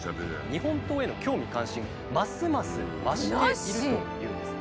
日本刀への興味関心ますます増しているというんです。